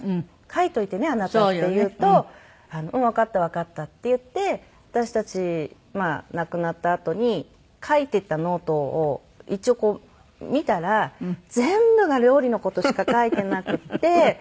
「書いておいてねあなた」って言うと「うん。わかったわかった」って言って私たち亡くなったあとに書いていたノートを一応見たら全部が料理の事しか書いていなくて。